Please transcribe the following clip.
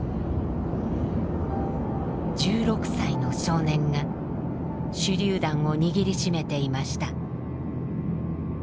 １６歳の少年が手りゅう弾を握りしめていました。